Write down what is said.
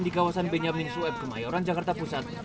di kawasan benyamin sueb kemayoran jakarta pusat